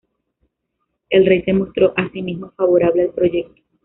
El rey se mostró asimismo favorable al proyecto.